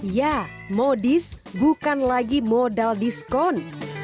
ya modis bukan lagi modal diskon